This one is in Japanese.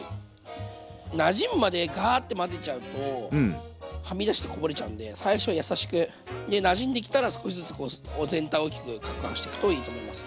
なじむまでガーッて混ぜちゃうとはみ出してこぼれちゃうんで最初は優しくでなじんできたら少しずつ全体を大きくかくはんしていくといいと思いますね。